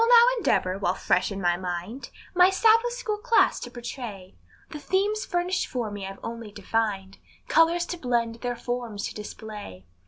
I now will endeavor, while fresh in my mind, My Sabbath School Class to portray; The theme's furnished for me, I've only to find Colors to blend, their forms to display.